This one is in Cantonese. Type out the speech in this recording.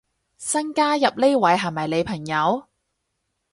新加入呢位係咪你朋友